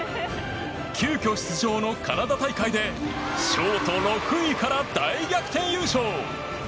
急きょ出場のカナダ大会でショート６位から大逆転優勝！